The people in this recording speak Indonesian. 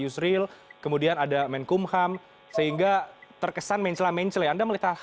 sudah diuji di mahkamah